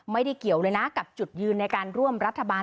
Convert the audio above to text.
ไม่ได้เกี่ยวเลยนะกับจุดยืนในการร่วมรัฐบาล